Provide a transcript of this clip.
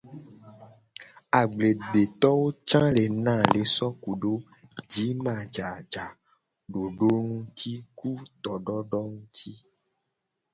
Agbledetowo ca le na ale so kudo jimajaja do dodonu nguti ku tododowo nguti.